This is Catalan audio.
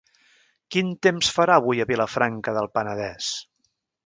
Quin temps farà avui a Vilafranca del Penedès?